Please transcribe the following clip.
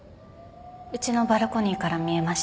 うちのバルコニーから見えました。